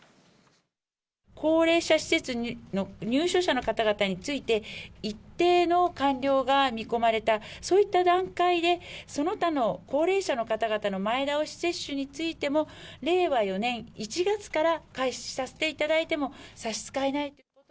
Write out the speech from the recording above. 高齢者施設の入所者の方々について、一定の完了が見込まれた、そういった段階で、その他の高齢者の方々の前倒し接種についても、令和４年１月から開始させていただいても差し支えない。